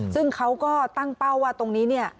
ซึ่งเขาก็ตั้งเป้าว่าตรงนี้เนี่ย